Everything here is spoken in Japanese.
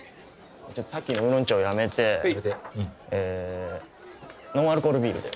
じゃさっきのウーロン茶をやめてえノンアルコールビールで。